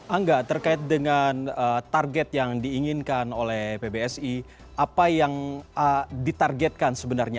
angga terkait dengan target yang diinginkan oleh pbsi apa yang ditargetkan sebenarnya